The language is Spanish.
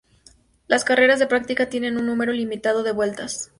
Las carreras de práctica tienen un número ilimitado de vueltas.